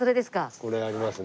これありますね。